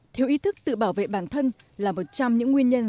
thiếu ý thức tự bảo vệ bản thân là một trong những nguyên nhân